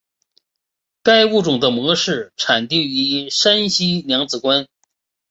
该物种的模式产地在山西娘子关。